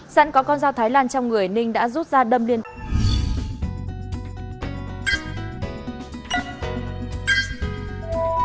sẵn có con dao thái lan trong người ninh đã rút ra đâm liên